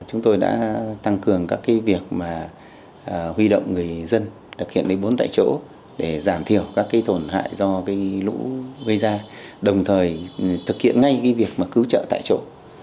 chúng tôi đã tăng cường các cái việc mà huy động người dân thực hiện lý bốn tại chỗ để giảm thiểu các cái tổn hại do cái lũ gây ra đồng thời thực hiện ngay cái việc mà cứu trợ tại chỗ